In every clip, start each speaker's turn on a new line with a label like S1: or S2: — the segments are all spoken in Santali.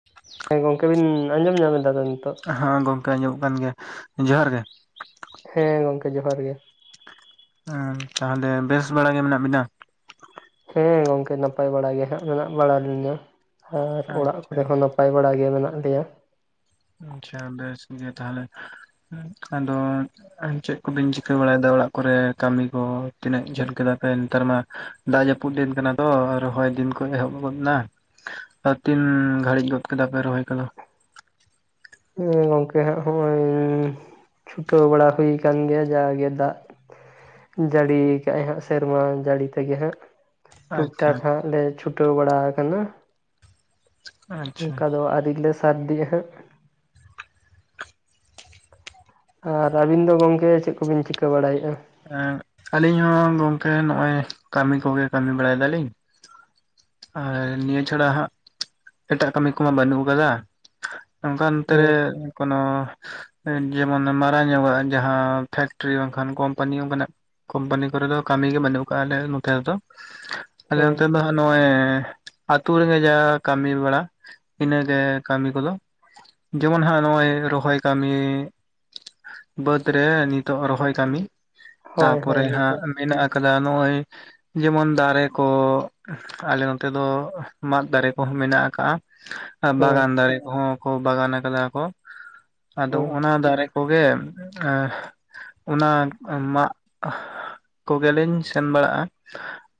S1: [inaudible]
S2: ᱦᱮᱸ ᱜᱚᱝᱠᱮ ᱵᱤᱱ ᱟᱸᱡᱚᱢ ᱧᱟᱢ ᱮᱫᱟ ᱵᱮᱱ ᱱᱤᱛᱚᱜ?
S1: ᱦᱮᱸ ᱜᱚᱝᱠᱮ ᱟᱸᱡᱚᱢᱚᱜ ᱠᱟᱱ ᱜᱮᱭᱟ ᱡᱚᱦᱟᱨ ᱜᱮ ᱾
S2: ᱦᱮᱸ ᱜᱚᱝᱠᱮ ᱡᱚᱦᱟᱨ ᱜᱮ ᱾
S1: ᱦᱮᱸ ᱛᱟᱦᱟᱞᱮ ᱵᱮᱥ ᱵᱟᱲᱟ ᱜᱮ ᱢᱮᱱᱟᱜ ᱵᱤᱱᱟ?
S2: ᱦᱮᱸ ᱜᱚᱝᱠᱮ ᱱᱟᱯᱟᱭ ᱵᱟᱲᱟ ᱜᱮ ᱦᱟᱸᱜ ᱢᱮᱱᱟᱜ ᱵᱟᱲᱟ ᱞᱤᱧᱟ ᱟᱨ ᱚᱲᱟᱜ
S1: ᱟᱪᱪᱷᱟ
S2: ᱠᱚᱨᱮ ᱦᱚᱸ ᱱᱟᱯᱟᱭ ᱾ ᱯᱟᱭ ᱵᱟᱲᱟ ᱜᱮ ᱢᱮᱱᱟᱜ ᱞᱮᱭᱟ ᱾
S1: ᱟᱪᱷᱟ ᱵᱮᱥ ᱜᱮ ᱛᱟᱦᱟᱞᱮ ᱟᱫᱚ ᱟᱱ ᱪᱮᱜ ᱠᱚᱵᱤᱱ ᱪᱤᱠᱟᱹ ᱵᱟᱲᱟᱭᱮᱫᱟ ᱚᱲᱟᱜ ᱠᱚᱨᱮ ᱠᱟᱹᱢᱤ ᱠᱚ ᱛᱤᱱᱟᱹᱜ ᱡᱷᱟᱹᱞ ᱠᱮᱫᱟ ᱯᱮᱱ ᱱᱮᱛᱟᱨ ᱢᱟ ᱫᱟᱜ ᱡᱟᱹᱯᱩᱫ ᱫᱤᱱ ᱠᱟᱱᱟ ᱛᱚ ᱟᱨ ᱨᱚᱦᱚᱭ ᱫᱤᱱ ᱠᱷᱚᱱ ᱮᱦᱚᱵ ᱜᱚᱫ ᱮᱱᱟ ᱾ ᱟᱨ ᱛᱤᱱ ᱜᱷᱟᱹᱲᱤᱡ ᱜᱚᱫ ᱠᱮᱫᱟᱯᱮ ᱨᱚᱦᱚᱭ ᱠᱚᱫᱚ?
S2: ᱦᱩᱸ ᱜᱚᱝᱠᱮ ᱦᱟᱸᱜ ᱦᱚᱜᱼᱚᱭ ᱪᱷᱩᱴᱟᱹᱣ ᱵᱟᱲᱟ ᱦᱩᱭ ᱠᱟᱱ ᱜᱮᱭᱟ। ᱡᱟᱜᱮ ᱫᱟᱜ ᱼᱼ ᱡᱟᱹᱲᱤ ᱠᱟᱜᱼ ᱟᱭ ᱦᱟᱸᱜ ᱥᱮᱨᱢᱟ ᱡᱟᱹᱲᱤ ᱛᱮᱜᱮ ᱦᱟᱸᱜ। ᱴᱩᱠ
S1: ᱟᱪᱪᱷᱟ
S2: ᱴᱟᱠ ᱦᱟᱸᱜ ᱞᱮ ᱪᱷᱩᱴᱟᱹᱣ ᱵᱟᱲᱟ ᱟᱠᱟᱱᱟ।
S1: ᱟᱪᱪᱷᱟ
S2: ᱚᱱᱠᱟ ᱫᱚ ᱟᱣᱨᱤ ᱞᱮ ᱥᱟᱹᱨᱫᱤᱜ ᱦᱟᱸᱜ। ᱟᱨ ᱟᱹᱵᱤᱱ ᱫᱚ ᱜᱚᱝᱠᱮ ᱪᱮᱫ ᱠᱚᱵᱤᱱ ᱪᱤᱠᱟᱹ ᱵᱟᱲᱟᱭᱮᱫᱼᱟ?
S1: ᱮ ᱟᱹᱞᱤᱧ ᱦᱚᱸ ᱜᱚᱝᱠᱮ ᱱᱚᱜᱼᱚᱭ ᱠᱟᱹᱢᱤ ᱠᱚᱜᱮ ᱠᱟᱹᱢᱤ ᱵᱟᱲᱟᱭ ᱫᱟᱞᱤᱧ। ᱟᱨ ᱱᱤᱭᱟᱹ ᱪᱷᱟᱲᱟ ᱦᱟᱸᱜ ᱮᱴᱟᱜ ᱠᱟᱹᱢᱤ ᱠᱚᱢᱟ ᱵᱟᱹᱱᱩᱜ ᱟᱠᱟᱫᱟ। ᱱᱚᱝᱠᱟᱱ ᱱᱚᱛᱮᱨᱮ
S2: ᱦᱮᱸ
S1: ᱠᱳᱱᱳ ᱼᱼ ᱡᱮᱢᱚᱱ ᱢᱟᱨᱟᱝ ᱧᱚᱜᱟᱜ ᱡᱟᱦᱟᱸ ᱯᱷᱮᱠᱴᱨᱤ ᱵᱟᱝᱠᱷᱟᱱ ᱠᱳᱢᱯᱟᱱᱤ ᱚᱱᱠᱟᱱᱟᱜ ᱼᱼ ᱠᱳᱢᱯᱟᱱᱤ ᱠᱚᱨᱮ ᱫᱚ ᱠᱟᱹᱢᱤ ᱜᱮ ᱵᱟᱹᱱᱩᱜ ᱠᱟᱜᱼᱟ ᱟᱞᱮ ᱱᱚᱛᱮ ᱨᱮᱫᱚ। ᱟᱞᱮ
S2: ᱦᱮᱸ
S1: ᱱᱚᱛᱮ ᱫᱚ ᱦᱟᱸᱜ ᱱᱚᱜᱼᱚᱭ ᱼᱼ ᱟᱹᱛᱩ ᱨᱮᱜᱮ ᱡᱟ ᱠᱟᱹᱢᱤ ᱵᱟᱲᱟ, ᱤᱱᱟᱹ ᱜᱮ ᱠᱟᱹᱢᱤ ᱠᱚᱫᱚ। ᱡᱮᱢᱚᱱ ᱦᱟᱸᱜ ᱱᱚᱜ-ᱚᱭ ᱨᱚᱦᱚᱭ ᱠᱟᱢᱤ᱾ ᱵᱟᱹᱫᱽ ᱨᱮ ᱱᱤᱛᱚᱜ ᱨᱚᱦᱚᱭ ᱠᱟᱢᱤ
S2: ᱦᱳᱭ ᱦᱳᱭ
S1: ᱛᱟᱯᱚᱨᱮ ᱦᱟᱸᱜ
S2: ᱱᱤᱛᱚᱜ
S1: ᱢᱮᱱᱟᱜ-ᱟ᱾ ᱠᱟᱫᱟ ᱱᱚᱜ-ᱚᱭ ᱡᱮᱢᱚᱱ ᱫᱟᱨᱮ ᱠᱚ ᱟᱞᱮ ᱱᱚ ᱛᱮ ᱫᱚ ᱢᱟᱫ ᱫᱟᱨᱮ ᱠᱚᱦᱚᱸ ᱢᱮᱱᱟᱜ ᱠᱟᱜᱼᱟ ᱟᱨ
S2: ᱦᱮᱸ
S1: ᱵᱟᱜᱟᱱ ᱫᱟᱨᱮ ᱠᱚᱦᱚᱸ᱾ ᱠᱚ ᱵᱟᱜᱟᱱ ᱟᱠᱟᱫᱟ ᱠᱚ ᱟᱫᱚ
S2: ᱦᱮᱸ
S1: ᱚᱱᱟ ᱫᱟᱨᱮ ᱠᱚᱜᱮ ᱮᱸ᱾ ᱚᱱᱟ ᱢᱟᱜ ᱠᱚᱜᱮ ᱞᱤᱧ ᱥᱮᱱ ᱵᱟᱲᱟᱜ-ᱟ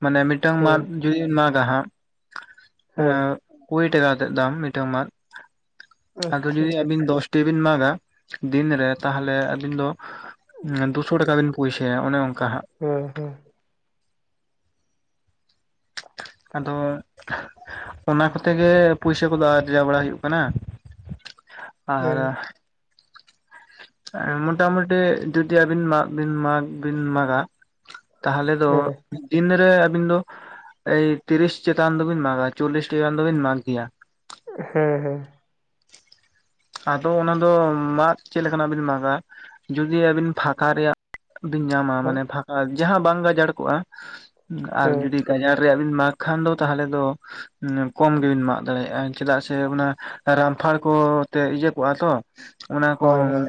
S1: ᱢᱟᱱᱮ ᱢᱤᱫ ᱴᱟᱹᱝ
S2: ᱦᱮᱸ
S1: ᱢᱟᱫᱽ ᱡᱩᱫᱤ ᱵᱤᱱ ᱢᱟᱜᱟ ᱦᱟᱸᱜ᱾
S2: ᱦᱮᱸ
S1: ᱮᱸ ᱠᱩᱲᱤ ᱴᱟᱠᱟ ᱠᱟᱛᱮᱜ ᱫᱟᱢ, ᱢᱤᱴᱟᱹᱝ ᱢᱟᱫᱽ, ᱟᱫᱚ
S2: ᱟᱪᱪᱷᱟ
S1: ᱡᱩᱫᱤ ᱟᱵᱤᱱ ᱫᱚᱥ ᱴᱤ ᱵᱤᱱ ᱢᱟᱜᱟ ᱫᱤᱱᱨᱮ ᱛᱟᱦᱞᱮ ᱟᱹᱵᱤᱱ ᱫᱚ ᱫᱩᱥᱚ ᱴᱟᱠᱟ ᱵᱤᱱ ᱯᱩᱭᱥᱟᱹᱭᱟ ᱚᱱᱮ ᱚᱱᱠᱟ ᱦᱟᱸᱜ᱾
S2: ᱦᱩ ᱦᱩ᱾
S1: ᱟᱫᱚ ᱚᱱᱟ ᱠᱚᱛᱮ ᱜᱮ ᱯᱩᱭᱥᱟᱹ ᱠᱚᱫᱚ ᱟᱨᱡᱟ ᱵᱟᱲᱟ ᱦᱩᱭᱩᱜ ᱠᱟᱱᱟ।
S2: [inaudible]
S1: ᱟᱨ᱾
S2: [inaudible]
S1: ᱮᱸ ᱢᱚᱴᱟᱢᱩᱴᱤ ᱡᱩᱫᱤ ᱟᱹᱵᱤᱱ ᱢᱟᱜ ᱵᱤᱱ ᱢᱟᱜᱽ ᱵᱤᱱ ᱢᱟᱜᱟ᱾ ᱛᱟᱦᱞᱮ ᱫᱚ
S2: ᱦᱮᱸ
S1: ᱫᱤᱱ ᱨᱮ ᱟᱹᱵᱤᱱ ᱫᱚ ᱮᱭ ᱛᱤᱨᱤᱥ ᱪᱮᱛᱟᱱ ᱫᱚᱵᱤᱱ ᱢᱟᱜᱟ, ᱪᱚᱞᱞᱤᱥ ᱴᱤ ᱜᱟᱱ ᱫᱚᱵᱤᱱ ᱢᱟᱜᱽ ᱜᱮᱭᱟ।
S2: ᱦᱮᱸ ᱦᱮᱸ᱾
S1: ᱟᱫᱚ ᱚᱱᱟ ᱫᱚ ᱢᱟᱫᱽ ᱪᱮᱫ ᱞᱮᱠᱟᱱᱟᱜ ᱵᱤᱱ ᱢᱟᱜᱟ, ᱡᱩᱫᱤ ᱟᱵᱤᱱ ᱯᱷᱟᱸᱠᱟ ᱨᱮᱭᱟᱜ᱾ ᱵᱤᱱ ᱧᱟᱢᱟ ᱢᱟᱱᱮ ᱯᱷᱟᱸᱠᱟ ᱡᱟᱸᱦᱟ ᱵᱟᱝ ᱜᱟᱡᱟᱲ ᱠᱚᱜᱼᱟ ᱟᱨ
S2: ᱦᱮᱸ
S1: ᱡᱩᱫᱤ ᱜᱟᱡᱟᱲ ᱨᱮᱭᱟᱜ ᱵᱤᱱ ᱢᱟᱜᱽ ᱠᱷᱟᱱ ᱫᱚ ᱛᱟᱦᱞᱮ ᱫᱚ ᱠᱚᱢ ᱜᱮᱵᱤᱱ ᱢᱟᱜ ᱫᱟᱲᱮᱭᱟᱜ-ᱟ ᱪᱮᱫᱟᱜ ᱥᱮ ᱚᱱᱟ ᱨᱟᱢᱯᱷᱟᱲ ᱠᱚ ᱛᱮ ᱤᱭᱟᱹ ᱠᱚᱜ-ᱟ ᱛᱚ ᱚᱱᱟ ᱠᱚ
S2: ᱦᱳᱭ ᱦᱳᱭ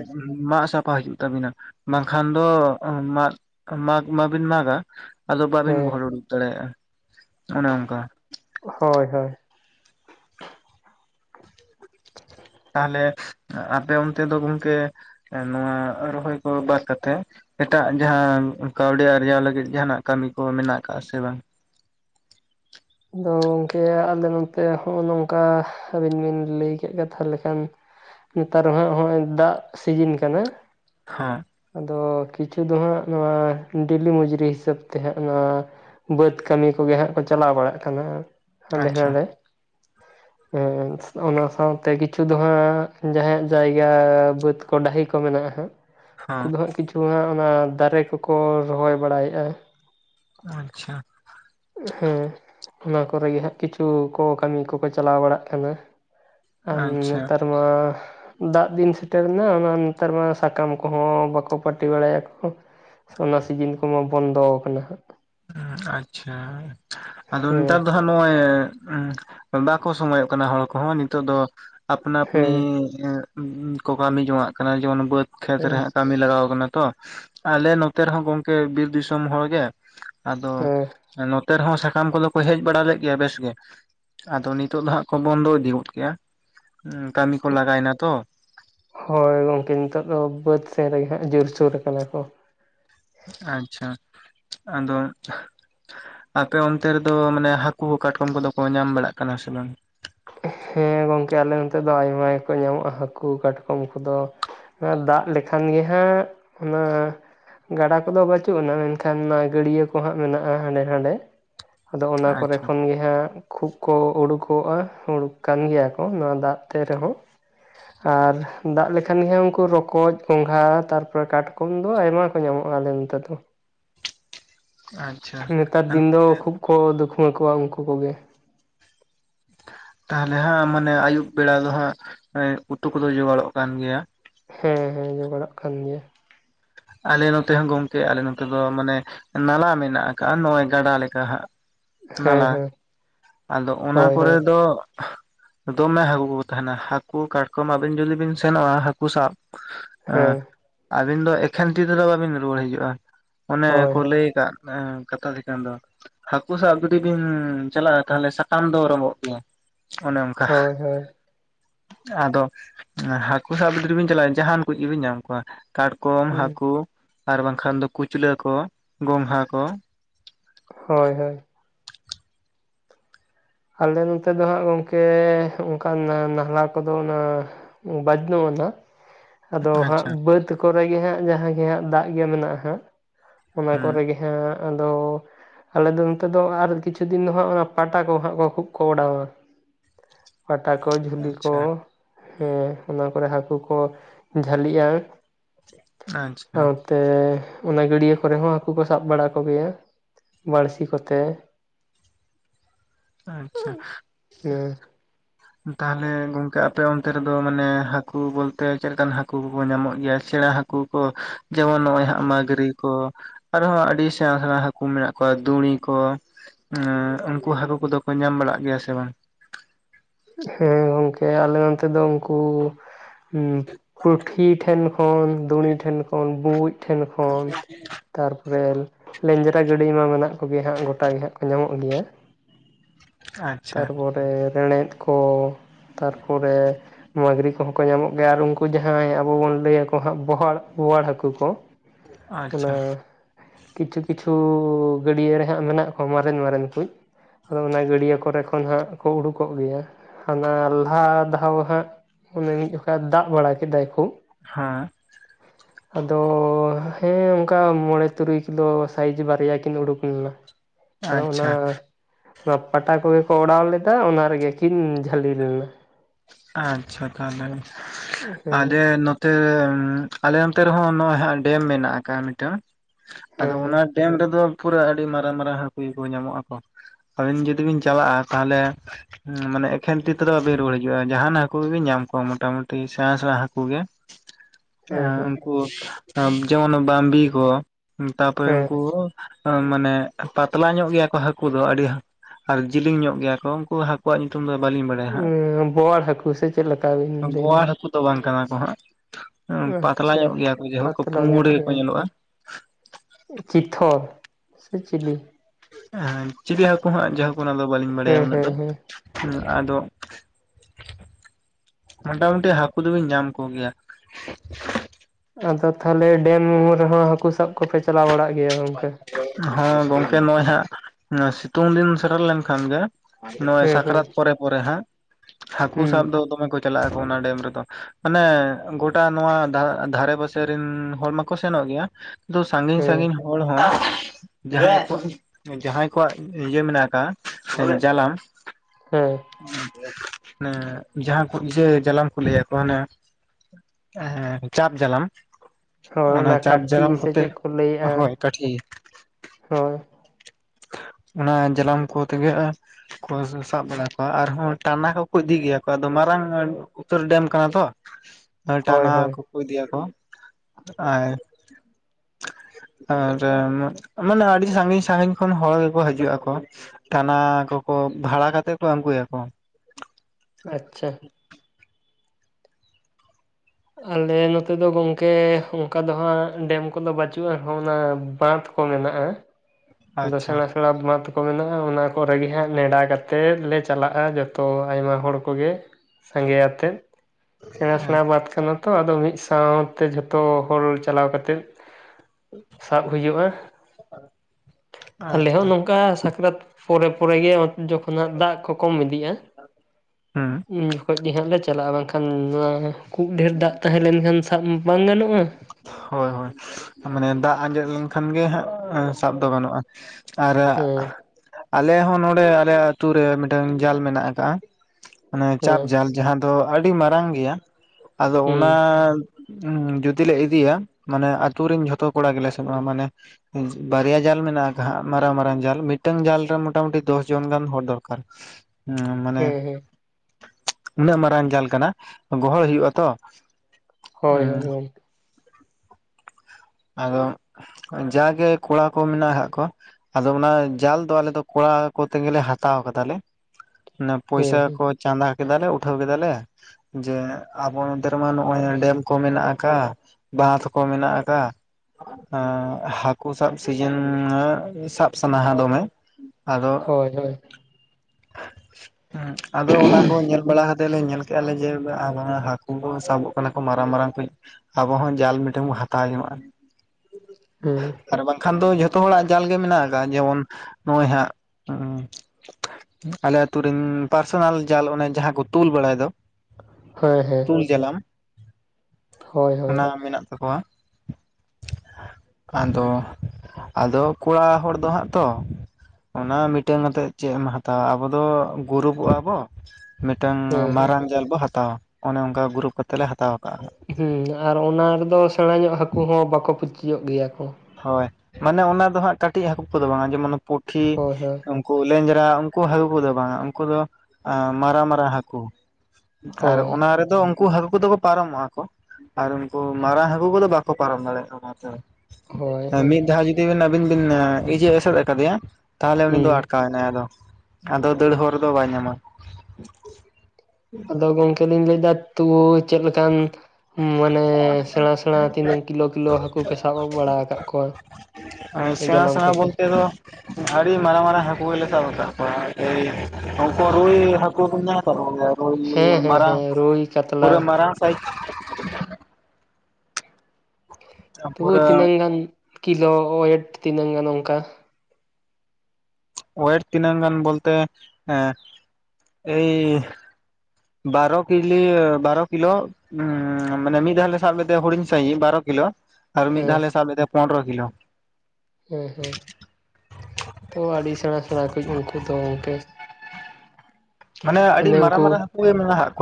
S1: ᱢᱟᱜ ᱥᱟᱯᱷᱟ ᱦᱩᱭᱩᱜ ᱛᱟᱵᱤᱱᱟ। ᱵᱟᱝᱠᱷᱟᱱ ᱫᱚ ᱢᱟᱫᱽ᱾ ᱢᱟᱜᱽ ᱢᱟᱵᱤᱱ ᱢᱟᱜ-ᱟ ᱟᱫᱚ ᱵᱟᱵᱤᱱ
S2: ᱦᱮᱸ
S1: ᱜᱚᱦᱚᱲ ᱩᱰᱩᱠ ᱫᱟᱲᱮᱭᱟᱜᱼᱟ ᱚᱱᱮ ᱚᱱᱠᱟ।
S2: ᱦᱚᱭ ᱦᱚᱭ᱾
S1: ᱛᱟᱦᱞᱮ ᱟᱯᱮ ᱚᱱᱛᱮ ᱫᱚ ᱜᱚᱢᱠᱮ ᱱᱚᱣᱟ ᱨᱚᱦᱚᱭ ᱠᱚ ᱵᱟᱫ ᱠᱟᱛᱮ᱾ ᱮᱴᱟᱜ ᱡᱟᱸᱦᱟ ᱠᱟᱣᱰᱤ ᱟᱨᱡᱟᱣ ᱞᱟᱹᱜᱤᱫ ᱡᱟᱸᱦᱟᱱᱟᱜ ᱠᱟᱢᱤ ᱠᱚ ᱢᱮᱱᱟᱜ ᱠᱟᱜ-ᱟ ᱥᱮ ᱵᱟᱝ?
S2: ᱟᱫᱚ ᱜᱚᱝᱠᱮ ᱟᱞᱮ ᱱᱚᱛᱮ ᱦᱚᱸᱜ-ᱚ ᱱᱚᱝᱠᱟ᱾ ᱟᱹᱵᱤᱱ ᱵᱤᱱ ᱞᱟᱹᱭ ᱠᱮᱫ ᱜᱮ ᱛᱟᱦᱞᱮ ᱠᱷᱟᱱ ᱱᱮᱛᱟᱨ ᱦᱟᱸᱜ ᱦᱚᱸᱜ-ᱚᱭ ᱫᱟᱜ ᱥᱤᱡᱤᱱ ᱠᱟᱱᱟ।
S1: [unintelligible]
S2: ᱟᱫᱚ ᱠᱤᱪᱷᱩ ᱫᱚ ᱦᱟᱸᱜ ᱱᱚᱣᱟ ᱰᱮᱞᱤ ᱢᱩᱡᱽᱩᱨᱤ ᱦᱤᱥᱟᱹᱵ ᱛᱮ ᱦᱟᱸᱜ ᱱᱚᱣᱟ᱾ ᱵᱟᱹᱫᱽ ᱠᱟᱹᱢᱤ ᱠᱚᱜᱮ ᱦᱟᱸᱜ ᱠᱚ ᱪᱟᱞᱟᱣ ᱵᱟᱲᱟᱜ ᱠᱟᱱᱟ ᱦᱟᱸᱰᱮ
S1: ᱟᱪᱪᱷᱟ
S2: ᱱᱟᱸᱰᱮ। ᱦᱮᱸ ᱚᱱᱟ ᱥᱟᱶᱛᱮ ᱠᱤᱪᱷᱩ ᱫᱚ ᱦᱟᱸᱜ ᱡᱟᱸᱦᱟᱭᱟᱜ ᱡᱟᱭᱜᱟ ᱵᱟᱹᱫᱽ᱾ ᱠᱚ ᱰᱟᱦᱤ ᱠᱚ ᱢᱮᱱᱟᱜᱼᱟ ᱦᱟᱸᱜ,
S1: ᱦᱚᱸ
S2: ᱩᱱᱠᱩᱫᱚ ᱦᱟᱸᱜ ᱠᱤᱪᱷᱩ ᱦᱟᱸᱜ ᱚᱱᱟ ᱫᱟᱨᱮ ᱠᱚᱠᱚ ᱨᱚᱦᱚᱭ ᱵᱟᱲᱟᱭᱮᱜ-ᱟ।
S1: ᱟᱪᱪᱷᱟ᱾
S2: ᱦᱮᱸ, ᱚᱱᱟ ᱠᱚᱨᱮᱜᱮ ᱦᱟᱸᱜ ᱠᱤᱪᱷᱩ ᱠᱚ ᱠᱟᱢᱤ ᱠᱚᱠᱚ ᱪᱟᱞᱟᱣ ᱵᱟᱲᱟᱜ ᱠᱟᱱᱟ। ᱟᱨ
S1: ᱟᱪᱪᱷᱟ
S2: ᱱᱮᱛᱟᱨ ᱢᱟ ᱫᱟᱜ ᱫᱤᱱ ᱥᱮᱴᱮᱨᱮᱱᱟ ᱚᱱᱟ ᱱᱮᱛᱟᱨ ᱢᱟ ᱥᱟᱠᱟᱢ ᱠᱚᱸᱦᱚ ᱵᱟᱠᱚ ᱯᱟᱴᱤ ᱵᱟᱲᱟᱭᱟᱠᱩ᱾ ᱚᱱᱟ ᱥᱤᱡᱤᱱ ᱠᱚᱢᱟ ᱵᱚᱱᱫᱚ ᱠᱟᱱᱟ ᱦᱟᱸᱜ᱾
S1: ᱟᱪ-ᱪᱷᱟ ᱟᱫᱚ
S2: ᱦᱮᱸ
S1: ᱱᱮᱛᱟᱨ ᱫᱚ ᱦᱟᱸᱜ ᱱᱚᱜ-ᱚᱭ ᱵᱟᱠᱚ ᱥᱚᱢᱚᱭᱚᱜ ᱠᱟᱱᱟ ᱦᱚᱲ ᱠᱚᱦᱚᱸ ᱱᱤᱛᱚᱜ ᱫᱚ ᱟᱯᱱᱟ ᱟᱹᱯᱱᱤ
S2: ᱦᱮᱸ
S1: ᱠᱚ ᱠᱟᱢᱤ ᱡᱚᱝᱟᱜ ᱠᱟᱱᱟ ᱡᱮᱢᱚᱱ ᱵᱟᱹᱫᱽ ᱠᱷᱮᱛ
S2: ᱦᱮᱸ
S1: ᱨᱮ ᱠᱟᱹᱢᱤ ᱞᱟᱜᱟᱣ ᱠᱟᱱᱟ ᱛᱚ ᱟᱞᱮ ᱱᱚᱛᱮ ᱨᱮᱦᱚᱸ ᱜᱚᱢᱠᱮ ᱵᱤᱨ ᱫᱤᱥᱚᱢ ᱦᱚᱲ ᱜᱮ ᱟᱫᱚ
S2: ᱦᱮᱸ
S1: ᱱᱚᱛᱮ ᱨᱮᱦᱚᱸ ᱥᱟᱠᱟᱢ ᱠᱚᱫᱚ ᱠᱚ ᱦᱮᱡ ᱵᱟᱲᱟ ᱞᱮᱫ ᱜᱮᱭᱟ ᱵᱮᱥ ᱜᱮ, ᱟᱫᱚ ᱱᱤᱛᱚᱜ ᱫᱚ ᱦᱟᱸᱜ ᱠᱚ ᱵᱚᱱᱫᱚ ᱤᱫᱤ ᱜᱚᱫ ᱠᱮᱜᱼᱟ ᱠᱟᱹᱢᱤ ᱠᱚ ᱞᱟᱜᱟᱭ ᱮᱱᱟ ᱛᱚ᱾
S2: ᱦᱳᱭ ᱜᱚᱝᱠᱮ ᱱᱤᱛᱚᱜ ᱫᱚ ᱵᱟᱹᱫᱽ ᱥᱮᱱ ᱨᱮᱜᱮ ᱦᱟᱸᱜ ᱡᱳᱨ ᱥᱳᱨ ᱠᱟᱱᱟ ᱠᱚ᱾
S1: ᱟᱪᱪᱷᱟ ᱟᱫᱚᱼᱼ ᱟᱯᱮ ᱚᱱᱛᱮ ᱨᱮᱫᱚ ᱢᱟᱱᱮ ᱦᱟᱹᱠᱩ ᱠᱟᱴᱠᱚᱢ ᱠᱚᱫᱚ ᱠᱚ ᱧᱟᱢ ᱵᱟᱲᱟᱜ ᱠᱟᱱᱟ ᱥᱮ ᱵᱟᱝ?
S2: ᱦᱮᱸ ᱜᱚᱝᱠᱮ ᱟᱞᱮ ᱱᱚᱱᱚᱛᱮ ᱫᱚ ᱟᱭᱢᱟ ᱜᱮᱠᱚ ᱧᱟᱢᱚᱜᱼᱟ ᱦᱟᱹᱠᱩ ᱠᱟᱴᱠᱚᱢ ᱠᱚᱫᱚ᱾ ᱚᱱᱟ ᱫᱟᱜ ᱞᱮᱠᱷᱟᱱ ᱜᱮ ᱦᱟᱸᱜ ᱚᱱᱟ ᱜᱟᱰᱟ ᱠᱚᱫᱚ ᱵᱟᱹᱪᱩᱜ ᱟᱱᱟ ᱢᱮᱱᱠᱷᱟᱱ ᱚᱱᱟ ᱜᱟᱹᱰᱭᱟᱹ ᱠᱚ ᱦᱟᱸᱜ ᱢᱮᱱᱟᱜᱼᱟ ᱦᱟᱸᱰᱮ ᱱᱟᱸᱰᱮ᱾ ᱟᱫᱚ ᱚᱱᱟ ᱠᱚᱨᱮ
S1: ᱟᱪᱪᱷᱟ
S2: ᱠᱷᱚᱱ ᱜᱮ ᱦᱟᱸᱜ ᱠᱷᱩᱜ ᱠᱚ ᱩᱰᱩᱠᱚᱜᱼᱟ᱾ ᱩᱲᱩᱠ ᱠᱟᱱ ᱜᱮᱭᱟ ᱠᱚ ᱱᱚᱣᱟ ᱫᱟᱜ ᱛᱮ ᱨᱮᱦᱚᱸ ᱟᱨ ᱫᱟᱜ ᱞᱮᱠᱷᱟᱱ ᱜᱮ ᱩᱱᱠᱩ ᱨᱚᱠᱚᱡ ᱜᱚᱸᱝᱜᱷᱟ ᱛᱟᱨ ᱯᱚᱨᱮ ᱠᱟᱴᱠᱚᱢ ᱫᱚ ᱟᱭᱢᱟ᱾ ᱧᱟᱢᱚᱜᱼᱟ ᱟᱞᱮ ᱚᱱᱛᱮ ᱫᱚᱼᱼ
S1: ᱟᱪᱼᱼ
S2: ᱱᱮᱛᱟᱨ ᱫᱤᱱ ᱫᱚ ᱠᱷᱩᱵ ᱠᱚ ᱫᱩᱠᱷᱩᱣ ᱠᱚᱣᱟ ᱩᱱᱠᱩ ᱠᱚᱜᱮ᱾
S1: ᱛᱟᱞᱦᱮ ᱦᱟᱸᱜ ᱢᱟᱱᱮ ᱟᱭᱩᱵ ᱵᱮᱲᱟ ᱫᱚ ᱦᱟᱸᱜ ᱩᱛᱩ ᱠᱚᱫᱚ ᱡᱳᱚᱜᱟᱲᱚᱜ ᱠᱟᱱ ᱜᱮᱭᱟ᱾
S2: ᱦᱮᱸ ᱦᱮᱸ ᱡᱚᱜᱟᱲᱟᱜ ᱠᱟᱱ ᱜᱮᱭᱟ᱾
S1: ᱟᱞᱮ ᱱᱚᱛᱮ ᱦᱚᱸ ᱜᱚᱝᱠᱮ ᱟᱞᱮ ᱱᱚᱛᱮ ᱫᱚ ᱢᱟᱱᱮ ᱱᱟᱞᱟ ᱢᱮᱱᱟᱜ ᱠᱟᱜᱼᱟ ᱱᱚᱜᱚᱭ ᱜᱟᱰᱟ ᱞᱮᱠᱟ ᱦᱟᱸᱜ᱾
S2: ᱦᱮᱸ
S1: ᱱᱟᱞᱟ
S2: ᱦᱮᱸ
S1: ᱟᱫᱚ ᱚᱱᱟ
S2: ᱦᱳᱭ
S1: ᱠᱚᱨᱮ
S2: ᱦᱳᱭ
S1: ᱫᱚ
S2: [inaudible]
S1: ᱫᱚᱢᱮ ᱦᱟᱹᱠᱩ ᱠᱚ ᱠᱚ ᱛᱟᱦᱮᱱᱟ ᱦᱟᱹᱠᱩ ᱠᱟᱴᱠᱚᱢ ᱟᱵᱤᱱ ᱡᱩᱫᱤ ᱵᱤᱱ ᱥᱮᱱᱚᱜᱼᱟ ᱦᱟᱹᱠᱩ ᱥᱟᱵᱼᱼ
S2: ᱦᱮᱸ
S1: ᱟᱜ ᱟᱹᱵᱤᱱ ᱫᱚ ᱮᱠᱷᱮᱱ ᱛᱤ ᱛᱮᱫᱚ ᱵᱟᱵᱤᱱ ᱨᱩᱣᱟᱹᱲ ᱦᱤᱡᱩᱜᱼᱟ ᱚᱱᱮ
S2: ᱦᱳᱭ
S1: ᱠᱚ
S2: ᱦᱳᱭ
S1: ᱞᱟᱹᱭ ᱠᱟᱜᱼᱼ ᱠᱟᱛᱷᱟ ᱛᱟᱦᱮᱸᱠᱟᱱ ᱫᱚ ᱦᱟᱹᱠᱩ ᱥᱟᱵ ᱡᱩᱫᱤ ᱵᱤᱱ ᱪᱟᱞᱟᱜᱼᱟᱼᱼ ᱛᱟᱞᱦᱮ ᱥᱟᱠᱟᱢ ᱫᱚ ᱨᱚᱝᱚᱜ ᱜᱮᱭᱟ ᱚᱱᱮ ᱚᱱᱠᱟ᱾
S2: ᱦᱳᱭ ᱦᱳᱭ
S1: ᱟᱫᱚ ᱦᱟᱹᱠᱩ ᱥᱟᱵ ᱫᱚ ᱡᱩᱫᱤ ᱵᱤᱱ ᱪᱟᱞᱟᱜᱼᱟ ᱡᱟᱦᱟᱱ ᱠᱚᱩᱡ ᱜᱮ ᱵᱤᱱ ᱧᱟᱢ ᱠᱚᱣᱟ᱾ ᱠᱟᱴᱠᱚᱢ
S2: ᱦᱩᱸ
S1: ᱦᱟᱹᱠᱩ ᱟᱨ ᱵᱟᱝ ᱠᱷᱟᱱ ᱫᱚ ᱠᱩᱪᱞᱟᱹ ᱠᱚ ᱜᱚᱢᱦᱷᱟ ᱠᱚᱼᱼ
S2: ᱦᱳᱭ ᱦᱳᱭ ᱟᱞᱮ ᱱᱚᱛᱮ ᱫᱚ ᱦᱟᱸᱜ ᱜᱚᱝᱠᱮ ᱚᱱᱠᱟᱱ ᱱᱟᱞᱦᱟ ᱠᱚᱫᱚ ᱚᱱᱟᱼᱼ ᱵᱟᱡᱱᱩ ᱟᱱᱟᱜ ᱟᱫᱚ ᱦᱟᱸᱜ
S1: ᱟᱪᱪᱷᱟ
S2: ᱵᱟᱹᱫ ᱠᱚᱨᱮ ᱜᱮ ᱦᱟᱸᱜ ᱡᱟᱦᱟᱸ ᱜᱮ ᱦᱟᱸᱜ ᱫᱟᱜ ᱜᱮ ᱢᱮᱱᱟᱜᱼᱟ ᱦᱟᱸᱜ ᱚᱱᱟ
S1: ᱦᱩᱸ
S2: ᱠᱚᱨᱮ ᱜᱮᱼᱼ ᱦᱮ ᱟᱫᱚ ᱟᱞᱮ ᱫᱚ ᱱᱚᱛᱮ ᱫᱚ ᱟᱨ ᱠᱤᱪᱷᱩ ᱫᱤᱱ ᱫᱚ ᱦᱟᱸᱜ ᱯᱟᱴᱟᱼᱼ ᱠᱚ ᱦᱟᱸᱜ ᱠᱷᱩᱵ ᱠᱚ ᱚᱰᱟᱣᱟ ᱯᱟᱴᱟ ᱠᱚ ᱡᱷᱩᱞᱤ ᱠᱚ,
S1: ᱟᱪᱪᱷᱟ
S2: ᱦᱮᱸ ᱚᱱᱟ ᱠᱚᱨᱮ ᱦᱟᱹᱠᱩ ᱠᱚ ᱡᱷᱟᱹᱞᱤᱜᱼᱟ᱾
S1: ᱟᱪᱪᱷᱟ
S2: ᱥᱟᱶᱛᱮ ᱚᱱᱟ ᱜᱟᱹᱰᱭᱟᱹ ᱠᱚᱨᱮ ᱦᱚᱸ ᱦᱟᱹᱠᱩ ᱠᱚ ᱥᱟᱵ ᱵᱟᱲᱟ ᱠᱚ ᱜᱮᱭᱟ ᱵᱟᱹᱲᱥᱤ ᱠᱚᱛᱮᱼᱼ
S1: ᱟᱪᱪᱷᱟ᱾
S2: ᱦᱩᱸᱻ
S1: ᱛᱟᱞᱦᱮ ᱜᱚᱝᱼᱠᱮ ᱟᱯᱮ ᱚᱱᱛᱮ ᱨᱮᱫᱚ ᱢᱟᱱᱮ ᱦᱟᱹᱠᱩ ᱵᱚᱞᱛᱮ ᱪᱮᱫ ᱞᱮᱠᱟᱱ ᱦᱟᱹᱠᱩ ᱠᱚ ᱠᱚ ᱧᱟᱢᱚᱜ ᱜᱮᱭᱟ ᱥᱮᱬᱟ ᱦᱟᱹᱼᱼ ᱠᱩ ᱠᱚ ᱡᱮᱢᱚᱱ ᱱᱚᱜᱼᱚᱭ ᱦᱟᱸᱜ ᱢᱜᱽᱨᱤ ᱠᱚ ᱟᱨᱦᱚᱸ ᱟᱹᱰᱤ ᱥᱮᱬᱟ ᱥᱮᱬᱟ ᱦᱟᱠᱩ ᱢᱮᱱᱟᱜ ᱠᱚᱣᱟ ᱫᱩᱲᱤ ᱠᱚ ᱩᱱᱠᱩ ᱦᱟᱠᱩᱼᱼ ᱠᱩᱫᱚ ᱫᱚᱠᱚ ᱧᱟᱢ ᱵᱟᱲᱟᱜ ᱜᱮᱭᱟ ᱥᱮ ᱵᱟᱝ᱾
S2: ᱦᱮᱸ ᱜᱚᱝᱠᱮ ᱟᱞᱮ ᱚᱱᱛᱮ ᱫᱚ ᱩᱱᱠᱩ ᱦᱩᱸ ᱯᱩᱴᱷᱤ ᱴᱷᱮᱱ ᱠᱷᱚᱱ ᱫᱩᱲᱤ ᱴᱷᱮᱱ ᱠᱷᱚᱱ ᱵᱩᱵᱩᱡ ᱴᱷᱮᱱ ᱠᱷᱚᱱ ᱛᱟᱨᱯᱚᱨᱮ ᱞᱮᱸᱡᱨᱟ ᱜᱟᱹᱰᱤ ᱢᱟ ᱢᱮᱱᱟᱜ ᱠᱚᱜᱮᱭᱟ ᱦᱟᱸᱜ ᱜᱚᱴᱟ ᱜᱮ ᱦᱟᱸᱜ ᱠᱚ ᱧᱟᱢᱚᱜ ᱜᱮᱭᱟ᱾
S1: ᱟᱪᱪᱷᱟ
S2: ᱛᱟᱨᱯᱚᱨᱮ ᱨᱮᱲᱮᱫ ᱠᱚ ᱛᱟᱨᱯᱚᱨᱮᱼᱼ ᱢᱟᱜᱤᱨᱤ ᱠᱚᱦᱚ ᱠᱚ ᱧᱟᱢᱚᱜ ᱜᱮᱭᱟ ᱟᱨ ᱩᱱᱠᱩ ᱡᱟᱦᱟᱸᱭ ᱟᱵᱚ ᱵᱚᱱ ᱞᱟᱹᱭᱟ ᱠᱚ ᱦᱟᱜ ᱵᱚᱦᱟᱲ ᱵᱳᱣᱟᱲ ᱦᱟᱠᱩ ᱠᱚ᱾ ᱚᱱᱟ
S1: ᱟᱪᱪᱷᱟ
S2: ᱠᱤᱪᱷᱩ ᱠᱤᱪᱷᱩ ᱜᱟᱹᱰᱭᱟᱹ ᱨᱮ ᱦᱟᱸᱜ ᱢᱮᱱᱟᱜ ᱠᱚᱣᱟ ᱢᱟᱨᱮᱱ ᱢᱟᱨᱮᱱ ᱠᱩ᱾ ᱟᱫᱚ ᱚᱱᱟ ᱜᱟᱹᱰᱭᱟᱹ ᱠᱚᱨᱮ ᱠᱷᱚᱱ ᱦᱟᱸᱜ ᱠᱚ ᱩᱰᱩᱠᱚᱜ ᱜᱮᱭᱟ᱾ ᱦᱟᱱᱟ ᱞᱟᱦᱟ ᱫᱷᱟᱣ ᱦᱟᱸᱜ ᱢᱚᱱᱮ ᱢᱤᱫ ᱡᱚᱠᱷᱟ ᱫᱟᱜ ᱵᱟᱲᱟ ᱠᱮᱫᱟᱭ ᱠᱷᱩᱵ᱾
S1: ᱦᱟᱸ᱾
S2: [inaudible] ᱟᱫᱚ ᱦᱮᱸ ᱚᱝᱠᱟ ᱢᱚᱬᱮ ᱛᱩᱨᱩᱭ ᱠᱤᱞᱳ ᱥᱟᱭᱤᱡ ᱵᱟᱨᱭᱟ ᱠᱤᱱ ᱩᱰᱩᱠ ᱞᱮᱱᱟ᱾ ᱟᱫᱚ ᱚᱱᱟ
S1: ᱟᱪᱪᱷᱟ
S2: ᱚᱱᱟ ᱯᱟᱛᱟ ᱠᱚᱜᱮ ᱠᱚ ᱚᱰᱟᱣ ᱞᱮᱫᱟ ᱚᱱᱟ ᱨᱮᱜᱮ ᱠᱤᱱ ᱡᱷᱟᱞᱤ ᱞᱮᱱᱟ᱾
S1: ᱟᱪᱪᱷᱟ ᱛᱟᱦᱞᱮ
S2: ᱦᱮᱸ
S1: ᱟᱞᱮ ᱱᱚ ᱛᱮ ᱩᱢ ᱟᱞᱮ ᱚᱱᱛᱮ ᱨᱮᱦᱚᱸ ᱱᱚᱼᱚᱭ ᱦᱟᱜ ᱰᱮᱢ ᱢᱮᱱᱟᱜ ᱟᱠᱟᱼᱟ ᱢᱤᱴᱟ ᱟᱫᱚ
S2: ᱦᱮᱸ
S1: ᱚᱱᱟ
S2: ᱦᱮᱸ
S1: ᱰᱮᱢ ᱨᱮᱫᱚ ᱯᱩᱨᱟᱹ ᱟᱹᱰᱤ ᱢᱟᱨᱟᱝ ᱢᱟᱨᱟᱝ ᱦᱟᱹᱠᱩ ᱜᱮᱠᱚ ᱧᱟᱢᱚᱜ ᱟᱠᱚ᱾ ᱟᱵᱤᱱ ᱡᱩᱫᱤ ᱵᱤᱱ ᱪᱟᱞᱟᱜᱼᱟ ᱛᱟᱦᱚᱞᱮ ᱩᱢ ᱢᱟᱱᱮ ᱮᱠᱷᱮᱱ ᱛᱤ ᱛᱮᱫᱚ ᱵᱟᱵᱮᱱ ᱨᱩᱣᱟᱹᱲ ᱤᱭᱟᱹ ᱡᱟᱦᱟᱱᱟ ᱦᱟᱹᱠᱩ ᱠᱩᱜᱮ ᱧᱟᱢ ᱠᱚᱣᱟ ᱢᱚᱴᱟᱢᱩᱴᱤ ᱥᱮᱬᱟ ᱥᱮᱬᱟ ᱦᱟᱹᱠᱩ ᱜᱮ᱾ ᱮᱸ
S2: ᱦᱮᱸ
S1: ᱩᱝ ᱠᱩ ᱟᱵ ᱡᱮᱢᱚᱱ ᱵᱟᱢᱵᱤ ᱠᱚ ᱛᱟᱯᱚᱨᱮ ᱩᱱᱠᱩ ᱢᱟᱱᱮ ᱯᱟᱛᱞᱟ ᱧᱚᱜ ᱜᱮᱭᱟ ᱠᱚ ᱦᱟᱹᱠᱩ ᱫᱚ ᱟᱹᱰᱤ ᱦᱟᱹ ᱟᱨ ᱡᱮᱞᱮᱧ ᱧᱚᱜ ᱜᱮᱭᱟ ᱠᱚ ᱩᱱᱠᱩ ᱦᱟ ᱠᱩᱣᱟᱜ ᱧᱩᱛᱩᱢ ᱫᱚ ᱵᱟᱹᱞᱤᱧ ᱵᱟᱰᱟᱭᱟ ᱦᱟᱸᱜ᱾
S2: ᱮᱹ ᱵᱳᱣᱟᱲ ᱦᱟᱹᱠᱩ ᱥᱮ ᱪᱮᱫ ᱞᱮᱠᱟ ᱵᱤᱱ ᱞᱟᱹᱭᱫᱟ
S1: ᱵᱳᱣᱟᱲ ᱦᱟᱹᱠᱩ ᱫᱚ ᱵᱟᱝ ᱠᱟᱱᱟ ᱠᱚ ᱦᱟᱸᱜ᱾ ᱮᱸᱢ ᱯᱟᱛᱞᱟ
S2: ᱟᱪᱪᱷᱟ
S1: ᱧᱚᱜ ᱜᱮᱭᱟ ᱠᱚ ᱡᱮᱦᱳᱠ
S2: ᱯᱟᱛᱞᱟ
S1: ᱯᱩᱲ ᱜᱮᱠᱚ ᱧᱮᱞᱚᱜᱼᱟ᱾
S2: ᱪᱤᱛᱷᱚ ᱥᱮ ᱪᱤᱞᱤ?
S1: ᱟᱸᱦᱟ ᱪᱤᱞᱤ ᱦᱟᱹᱠᱩ ᱦᱟᱸᱜ ᱡᱟᱦᱳᱠ ᱚᱱᱟ ᱫᱚ ᱵᱟᱹᱞᱤᱧ
S2: ᱦᱮᱸ
S1: ᱵᱟᱰᱟᱭᱟ ᱩᱱᱟᱹᱜ ᱫᱚ᱾
S2: ᱦᱮᱸ ᱦᱮᱸ
S1: ᱦᱩᱸ, ᱟᱫᱚ ᱢᱳᱴᱟᱢᱩᱴᱤ ᱦᱟᱹᱠᱩ ᱫᱚᱵᱤᱱ ᱧᱟᱢ ᱠᱚ ᱜᱮᱭᱟ᱾
S2: ᱟᱫᱚ ᱛᱟᱦᱚᱞᱮ ᱰᱮᱢ ᱨᱮᱦᱚᱸ ᱦᱟᱹᱠᱩ ᱥᱟᱵ ᱠᱚᱯᱮ ᱪᱟᱞᱟᱣ ᱵᱟᱲᱟᱜ ᱜᱮᱭᱟ ᱜᱚᱝᱠᱮ?
S1: ᱦᱚᱸ ᱜᱚᱝᱠᱮ ᱱᱚᱜᱼᱚᱭ ᱦᱟᱸᱜ ᱱᱚ ᱥᱤᱛᱩᱝ ᱫᱤᱱ ᱥᱮᱴᱮᱨ ᱞᱮᱱ ᱠᱷᱟᱱ ᱜᱮ ᱱᱚᱼᱚᱭ
S2: ᱦᱮᱸ ᱦᱮᱸ
S1: ᱥᱟᱠᱨᱟᱛ ᱯᱚᱨᱮ ᱯᱚᱨᱮ ᱦᱟᱸᱜ, ᱦᱟᱹᱠᱩ
S2: ᱦᱩᱸ
S1: ᱥᱟᱵ ᱫᱚ ᱫᱚᱢᱮ ᱠᱚ ᱪᱟᱞᱟᱜᱼᱟ ᱠᱚ ᱚᱱᱟ ᱰᱮᱢ ᱨᱮᱫᱚ᱾ ᱢᱟᱱᱮ ᱜᱚᱴᱟ ᱱᱚᱣᱟ ᱫᱷᱟ-ᱫᱷᱟᱨᱮ ᱯᱟᱥᱮ ᱨᱤᱱ ᱦᱚᱲ ᱢᱟᱠᱚ ᱥᱮᱱᱚᱜ ᱜᱮᱭᱟ᱾ ᱫᱚ ᱥᱟᱺᱜᱤᱧ
S2: ᱦᱮᱸ
S1: ᱥᱟᱸᱜᱤᱧ ᱦᱚᱲ ᱦᱚ ᱡᱟᱦᱟᱸ ᱠᱚᱣᱟᱜ ᱡᱟᱦᱟᱭ ᱠᱚᱣᱟᱜ ᱤᱭᱟᱹ ᱢᱮᱱᱟᱜ ᱠᱟᱼᱟ [unintelligible] ᱡᱟᱞᱟᱢ᱾
S2: ᱦᱳᱭ᱾
S1: ᱚᱱᱮ ᱡᱟᱦᱟᱸ ᱠᱚ ᱤᱭᱟᱹ ᱡᱟᱞᱟᱢ ᱠᱚ ᱞᱟᱹᱭᱟ ᱠᱚ ᱦᱟᱱᱮ ᱦᱮ ᱪᱟᱯ ᱡᱟᱞᱟᱢ,
S2: ᱦᱳᱭ
S1: ᱚᱱᱟ ᱪᱟᱯ
S2: ᱠᱟᱴᱷᱤ
S1: ᱡᱟᱞᱟᱢ
S2: ᱥᱮ
S1: ᱠᱚᱛᱮ
S2: ᱪᱮᱫ ᱠᱚ
S1: ᱦᱳᱭ
S2: ᱞᱟᱹᱭᱮᱜᱼᱟ,
S1: ᱠᱟᱹᱴᱷᱤ
S2: ᱦᱳᱭ᱾
S1: ᱚᱱᱟ ᱡᱟᱞᱟᱢ ᱠᱚ ᱛᱮᱜᱮ ᱟᱨ ᱠᱚ ᱥᱟ-ᱥᱟᱵ ᱵᱟᱲᱟ ᱠᱚᱣᱟ ᱟᱨᱦᱚᱸ ᱴᱟᱱᱟ ᱠᱚᱠᱚ ᱤᱫᱤ ᱜᱮᱭᱟ ᱠᱚ ᱟᱫᱚ ᱢᱟᱨᱟᱝ ᱩᱛᱟᱨ ᱰᱮᱢ ᱠᱟᱱᱟ ᱛᱚ,
S2: ᱦᱳᱭ
S1: ᱟ-ᱴᱟᱱᱟ
S2: ᱦᱳᱭ
S1: ᱠᱚᱠᱩ ᱤᱫᱤᱭᱟ ᱠᱚ ᱟᱨ ᱟᱨ ᱮᱢ ᱢᱟᱱᱮ ᱟᱹᱰᱤ ᱥᱟᱺᱜᱤᱧ ᱥᱟᱺᱜᱤᱧ ᱠᱷᱚᱱ ᱦᱚᱭ ᱜᱮᱠᱚ ᱦᱤᱡᱩᱜ ᱟᱠᱚ, ᱴᱟᱱᱟ ᱠᱚᱠᱚ ᱵᱷᱟᱲᱟ ᱠᱟᱛᱮ ᱠᱚ ᱟᱜᱩᱭᱟ ᱠᱚ᱾
S2: ᱟᱪᱪᱷᱟ᱾ ᱟᱞᱮ ᱱᱚᱛᱮ ᱫᱚ ᱜᱚᱝᱠᱮ ᱚᱱᱠᱟ ᱫᱚ ᱦᱟᱸᱜ ᱰᱮᱢ ᱠᱚᱫᱚ ᱵᱟᱹᱪᱩᱜᱼᱟ ᱦᱚᱸᱼᱱᱟ ᱵᱟᱸᱫᱷ ᱠᱚ ᱢᱮᱱᱟᱜᱼᱟ, ᱟᱫᱚ
S1: ᱟᱪᱪᱷᱟ
S2: ᱥᱮᱬᱟ ᱥᱮᱬᱟ ᱵᱟᱸᱫᱷ ᱠᱚ ᱢᱮᱱᱟᱜᱼᱟ, ᱚᱱᱟ ᱠᱚᱨᱮ ᱜᱮ ᱦᱟᱸᱜ ᱱᱮᱰᱟ ᱠᱟᱛᱮᱫ ᱞᱮ ᱪᱟᱞᱟᱜᱼᱟ ᱡᱚᱛᱚ ᱟᱭᱢᱟ ᱦᱚᱲ ᱠᱚᱜᱮ᱾ ᱥᱟᱸᱜᱮ ᱟᱛᱮᱫ ᱥᱮᱲᱟ ᱥᱮᱲᱟ ᱵᱟᱛ ᱠᱟᱱᱟ ᱛᱚ ᱟᱫᱚ ᱢᱤᱫ ᱥᱟᱶᱛᱮ ᱡᱷᱚᱛᱚ ᱦᱚᱲ ᱪᱟᱞᱟᱣ ᱠᱟᱛᱮᱜ ᱥᱟᱵ ᱦᱩᱭᱩᱜᱼᱟ᱾
S1: [inaudible]
S2: ᱟᱞᱮ ᱦᱚᱸ
S1: ᱟᱪᱪᱷᱟ
S2: ᱱᱚᱝᱠᱟ ᱥᱟᱠᱨᱟᱛ ᱯᱚᱨᱮ ᱯᱚᱨᱮ ᱜᱮ ᱡᱚᱠᱷᱚᱱᱟᱜ ᱫᱟᱜ ᱠᱚ ᱠᱚᱢ ᱤᱫᱤᱜᱼᱟ᱾
S1: ᱦᱩᱸ
S2: ᱩᱱ ᱡᱚᱠᱷᱚᱱ ᱜᱮ ᱦᱟᱸᱜ ᱞᱮ ᱪᱟᱞᱟᱜᱼᱟ ᱵᱟᱝᱠᱷᱟᱱ ᱱᱚᱣᱟ ᱠᱩᱵ ᱰᱷᱮᱨ ᱫᱟᱜ ᱛᱟᱦᱮᱸ ᱞᱮᱱᱠᱷᱟᱱ ᱥᱟᱵ ᱵᱟᱝ ᱜᱟᱱᱚᱜᱼᱟ᱾
S1: ᱦᱳᱭ ᱦᱳᱭ ᱢᱟᱱᱮ ᱫᱟᱜ ᱟᱸᱡᱮᱫ ᱞᱮᱱᱠᱷᱟᱱ ᱜᱮ ᱦᱟᱸᱜ ᱥᱟᱵ ᱫᱚ ᱜᱟᱱᱚᱜᱼᱟ᱾ ᱟᱨ
S2: ᱦᱮᱸ
S1: ᱟᱞᱮ ᱦᱚᱸ ᱱᱚᱰᱮ ᱟᱞᱮᱭᱟᱜ ᱟᱛᱳ ᱨᱮ ᱢᱤᱫᱴᱟᱝ ᱡᱟᱞ ᱢᱮᱱᱟᱜ ᱟᱠᱟᱼᱟ᱾ ᱢᱟᱱᱮ ᱪᱟᱯ
S2: ᱦᱮᱸ
S1: ᱡᱟᱞ ᱡᱟᱦᱟᱸ ᱫᱚ ᱟᱹᱰᱤ ᱢᱟᱨᱟᱝ ᱜᱮᱭᱟ ᱟᱫᱚ
S2: ᱦᱩᱸ
S1: ᱚᱱᱟ ᱠᱩᱼᱼ ᱡᱩᱫᱤ ᱞᱮ ᱤᱫᱤᱭᱟ ᱢᱟᱱᱮ ᱟ. ᱛᱩᱨ ᱨᱮᱱ ᱡᱷᱚᱛᱚ ᱠᱚᱲᱟ ᱜᱮᱞᱮ ᱥᱮᱱᱚᱜᱼᱟ ᱢᱟᱱᱮᱼᱼ ᱵᱟᱨᱭᱟ ᱡᱟᱞ ᱢᱮᱱᱟᱜ ᱟᱠᱟ ᱢᱟᱨᱟᱝ ᱢᱟᱨᱟᱝ ᱡᱟᱞ ᱢᱤᱫᱴᱟᱝ ᱡᱟᱞ ᱨᱮ ᱢᱚᱴᱟᱢᱩᱴᱤ ᱫᱚᱥ ᱡᱚᱱ ᱜᱟᱱ ᱦᱚᱲ ᱫᱚᱨᱠᱟᱨ᱾ ᱦᱩᱸ ᱢᱟᱱᱮᱼᱼ
S2: ᱦᱮᱸ ᱦᱮᱸ
S1: ᱩᱱᱟᱹᱜ ᱢᱟᱨᱟᱝ ᱡᱟᱞ ᱠᱟᱱᱟ ᱜᱚᱦᱚᱲ ᱦᱩᱭᱩᱜ ᱟᱛᱚ᱾
S2: ᱦᱳᱭ ᱦᱳᱭ ᱜᱚᱝᱠᱮ
S1: ᱟᱫᱚ ᱡᱟᱜᱮ ᱠᱚᱲᱟ ᱠᱚ ᱢᱮᱱᱟᱜ ᱟᱠᱟᱫ ᱠᱚᱼᱼ ᱟᱫᱚ ᱚᱱᱟ ᱡᱟᱞ ᱫᱚ ᱟᱞᱮ ᱫᱚ ᱠᱚᱲᱟ ᱠᱚᱛᱮ ᱜᱮᱞᱮ ᱦᱟᱛᱟᱣ ᱟᱠᱟᱫᱟ ᱞᱮ
S2: ᱦᱮᱸ
S1: ᱯᱚᱭᱥᱟ
S2: ᱦᱮᱸ
S1: ᱠᱚ ᱪᱟᱸᱫᱟ ᱠᱮᱫᱟᱞᱮ ᱩᱴᱷᱟᱹᱣ ᱠᱮᱫᱟᱞᱮᱼᱼ ᱡᱮ ᱟᱵᱚ ᱱᱚᱛᱮ‌ ᱨᱮᱢᱟ ᱱᱚᱜᱼᱚᱭ ᱰᱮᱢ ᱠᱚ ᱢᱮᱱᱟᱜ ᱟᱠᱟᱫ ᱵᱟᱸᱫᱽ ᱠᱚ ᱢᱮᱱᱟᱜ ᱟᱠᱟᱫ ᱦᱟᱹᱠᱩ ᱥᱟᱵ ᱥᱤᱡᱮᱱ ᱥᱟᱵ ᱥᱟᱱᱟᱣᱟ ᱫᱚᱢᱮᱼᱼ ᱟᱫᱚ
S2: ᱦᱳᱭ ᱦᱳᱭ
S1: ᱟᱫᱚ ᱚᱱᱟ ᱠᱚ ᱧᱮᱞ ᱵᱟᱲᱟ ᱠᱟᱛᱮᱼᱼ ᱛᱮ ᱞᱮ ᱧᱮᱞ ᱠᱮᱫᱼᱟ ᱞᱮ ᱡᱮ ᱦᱟᱹᱠᱩ ᱥᱟᱵᱚᱜ ᱠᱟᱱᱟ ᱠᱚ ᱢᱟᱨᱟᱝ ᱢᱟᱨᱟᱝ ᱠᱚᱼᱼ ᱟᱵᱚ ᱦᱚᱸ ᱡᱟᱞ ᱢᱤᱫᱴᱮᱱ ᱵᱚ ᱦᱟᱛᱟᱣ ᱡᱚᱝᱚᱜᱼᱟ᱾
S2: ᱦᱩᱸ
S1: ᱟᱨ ᱵᱟᱝᱼᱠᱷᱟᱱ ᱫᱚ ᱡᱷᱚᱛᱚ ᱦᱚᱲᱟᱜ ᱡᱟᱞ ᱜᱮ ᱜᱮ ᱢᱮᱱᱟᱜ ᱟᱠᱟᱟᱜᱼᱟ ᱡᱮᱢᱚᱱ ᱱᱚᱜᱼᱚᱭ ᱦᱟᱸᱜ ᱟᱞᱮ ᱟ. ᱛᱳ ᱨᱮᱱ ᱯᱟᱨᱥᱚᱱᱟᱞ ᱡᱟᱞ ᱚᱱᱮ ᱡᱟᱦᱟᱸ ᱠᱚ ᱛᱩᱞ ᱵᱟᱲᱟᱭ ᱫᱚ᱾
S2: ᱦᱮᱸ ᱦᱮᱼᱼ
S1: ᱛᱩᱞ ᱡᱟᱞᱟᱢ
S2: ᱦᱳᱭ
S1: ᱚᱱᱟ ᱢᱮᱱᱟᱜ ᱛᱟᱠᱚᱣᱟ᱾ ᱟᱫᱚ ᱟᱫᱚ ᱠᱚᱲᱟ ᱦᱚᱲ ᱫᱚ ᱦᱟᱸᱜ ᱛᱚᱼᱼ ᱚᱱᱟ ᱢᱤᱫᱴᱝ ᱠᱟᱛᱮᱫ ᱪᱮᱫ ᱮᱢ ᱦᱟᱛᱟᱣᱟ ᱟᱵᱚ ᱫᱚ ᱜᱩᱨᱩᱵᱚᱜᱼᱟ ᱵᱚ᱾ ᱢᱤᱴᱟᱝ
S2: ᱦᱮᱸ ᱦᱮᱸ
S1: ᱢᱟᱨᱟᱝ ᱡᱟᱞ ᱵᱚ ᱦᱟᱛᱟᱣᱟ ᱚᱱᱮ ᱚᱱᱠᱟ ᱜᱩᱨᱩᱩᱯ ᱠᱟᱛᱮᱞᱮ ᱦᱟᱛᱟᱣ ᱟᱠᱟᱫᱟᱼᱟ᱾
S2: ᱦᱮᱸ ᱟᱨ ᱚᱱᱟ ᱨᱮᱫᱚ ᱥᱮᱬᱟ ᱧᱚᱜ ᱦᱟᱹᱠᱩ ᱦᱚᱸ ᱵᱟᱠᱚ ᱯᱩᱪᱩᱡᱚᱜ ᱜᱮᱭᱟ ᱠᱚ᱾
S1: ᱦᱳᱭ ᱢᱟᱱᱮ ᱚᱱᱟ ᱫᱚ ᱦᱟᱸᱜ ᱠᱟᱹᱴᱤᱡ ᱦᱟᱹᱠᱩ ᱠᱚᱫᱚ ᱵᱟᱝᱟ ᱡᱮᱢᱚᱱ ᱯᱩᱴᱷᱤᱼᱼ
S2: ᱦᱳᱭ ᱦᱳᱭ
S1: ᱠᱩ ᱞᱮᱸᱡᱨᱟ ᱩᱱᱠᱩ ᱦᱟᱹᱠᱩ ᱠᱚᱫᱚ ᱵᱟᱝᱟ ᱩᱱᱠᱩ ᱫᱚ ᱢᱟᱨᱟᱝ ᱢᱟᱨᱟᱝ ᱦᱟᱹᱠᱩ ᱟᱨ
S2: ᱦᱳᱭ
S1: ᱚᱱᱟ ᱨᱮᱫᱚᱼᱼ ᱩᱱᱠᱩ ᱦᱟᱹᱠᱩ ᱠᱚᱫᱚ ᱠᱚ ᱯᱟᱨᱚᱢᱚᱜᱼᱟ ᱠᱚ ᱟᱨ ᱩᱱᱠᱩ ᱢᱟᱨᱟᱝ ᱦᱟᱹᱠᱩ ᱠᱚᱫᱚ ᱵᱟᱠᱚ ᱯᱟᱨᱚᱢ ᱫᱟᱲᱮᱭᱟᱜᱼᱟ ᱚᱱᱟᱛᱮᱼᱼ
S2: ᱦᱳᱭ ᱦᱳᱭ
S1: ᱢᱤᱫ ᱫᱷᱟᱣ ᱡᱩᱫᱤ ᱵ ᱟᱹᱵᱤᱱ ᱵᱤᱱ ᱤᱭᱟᱹ ᱮᱥᱮᱫ ᱟᱠᱟᱫᱮᱭᱟ᱾ ᱛᱟᱦᱚᱞᱮ ᱩᱱᱤ ᱫᱚ
S2: ᱦᱩᱸ
S1: ᱟᱴᱠᱟᱣ ᱮᱱᱟᱭ ᱟᱫᱚ ᱟᱫᱚ ᱫᱟᱹᱲ ᱦᱚᱲ ᱨᱮᱫᱚ ᱵᱟᱭ ᱧᱟᱢᱟ᱾
S2: ᱟᱫᱚ ᱜᱚᱝᱠᱮ ᱞᱤᱧ ᱞᱟᱹᱭ ᱮᱫᱟ ᱛᱩᱵᱩ ᱪᱮᱫ ᱞᱮᱠᱟᱱ᱾ ᱢᱟᱱᱮ ᱥᱮᱬᱟᱸ ᱥᱮᱬᱟᱸ ᱛᱤᱱᱟᱹᱜ ᱠᱤᱞᱳ ᱠᱤᱞᱳ ᱦᱟᱹᱠᱩ ᱯᱮ ᱥᱟᱵ ᱵᱟᱲᱟ ᱟᱠᱟᱫ ᱠᱚᱣᱟ?
S1: ᱟᱨ ᱥᱮᱬ
S2: ᱡᱟᱞᱟᱢ
S1: ᱥᱮᱬ
S2: ᱠᱚᱛᱮ
S1: ᱵᱚᱞᱛᱮᱼᱼ ᱛᱮ ᱫᱚ ᱟᱹᱰᱤ ᱢᱟᱨᱟᱝ ᱢᱟᱨᱟᱝ ᱦᱟᱹᱠᱩ ᱜᱮᱞᱮ ᱥᱟᱵ ᱟᱠᱟᱫ ᱠᱚᱣᱟ ᱮᱭ ᱩᱱᱠᱩ ᱨᱩᱭ ᱦᱟᱹᱠᱩ ᱠᱚ ᱧᱮᱞ ᱟᱠᱟᱫ ᱠᱚᱜᱮᱭᱟ ᱳᱭ
S2: ᱦᱮᱸ ᱦᱮᱸ
S1: ᱢᱟᱨᱟᱝ
S2: ᱦᱮᱸ ᱨᱩᱭ ᱠᱟᱛᱞᱟ
S1: ᱯᱩᱨᱟᱹ ᱢᱟᱨᱟᱝ ᱥᱟᱭᱤᱡ
S2: ᱛᱚᱵᱩ
S1: ᱯᱩᱨᱟᱹ
S2: ᱛᱤᱱᱟᱹᱝ ᱜᱟᱱ ᱠᱤᱞᱳ ᱳᱭᱮᱴ ᱛᱤᱱᱟᱹᱝ ᱜᱟᱱ ᱚᱱᱠᱟ᱾
S1: ᱳᱭᱮᱴ ᱛᱤᱱᱟ ᱜᱟᱱ ᱵᱚᱞᱛᱮ ᱟ ᱮᱭᱼᱼ ᱵᱟᱨᱚ ᱠᱤᱞᱤ ᱵᱟᱨ ᱠᱤᱞᱳ ᱦᱸ ᱢᱟᱱᱮ ᱢᱤᱫ ᱫᱷᱟᱣ ᱞᱮ ᱥᱟᱵ ᱞᱮᱫᱮᱭᱟᱞᱮ ᱦᱩᱰᱤᱧᱝ ᱥᱹᱦᱤᱡ ᱵᱟᱨᱚ ᱠᱤᱞᱳ ᱟᱨ ᱢᱤᱫ
S2: ᱦᱮᱸ
S1: ᱫᱷᱟᱣ ᱞᱮ ᱥᱟᱵ ᱞᱮᱫᱮᱭᱟ ᱯᱚᱱᱨᱚ ᱠᱤᱞᱳ᱾
S2: ᱦᱮᱸ ᱦᱮᱸ ᱛᱚ ᱟᱹᱰᱤ ᱥᱮᱬᱟ ᱥᱮᱬᱟ ᱠᱩᱪ ᱩᱱᱠᱩ ᱫᱚ ᱜᱚᱢᱠᱮ
S1: ᱢᱟᱱᱮ ᱟᱹᱰᱤ ᱢᱟᱨᱟᱝ ᱢᱟᱨᱟᱝ ᱦᱟ. ᱠᱩ ᱢᱮᱱᱟᱜᱟᱜ ᱠᱚ